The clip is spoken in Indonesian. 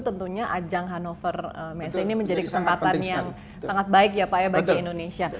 tentunya ajang hannover messe ini menjadi kesempatan yang sangat baik ya pak ya bagi indonesia